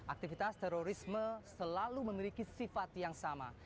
aktivitas terorisme selalu memiliki sifat yang sama